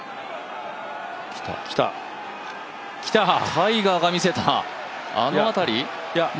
タイガーが見せた、あの辺り？